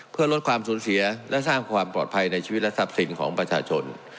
เพื่อลดความสูญเสียและสร้างความปลอดภัยในชีวิตและทรัพย์สินของประชาชน